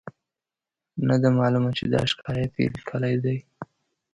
نه ده معلومه چې دا شکایت یې لیکلی دی.